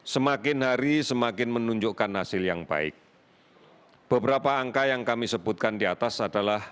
semakin hari semakin menunjukkan hasil yang baik beberapa angka yang kami sebutkan di atas adalah